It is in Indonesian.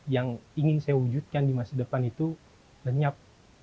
yang ingin saya wujudkan di masa depan itu lenyap